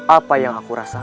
apa yang aku rasakan